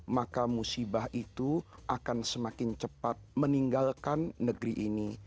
maka musibah itu akan semakin cepat meninggalkan negeri ini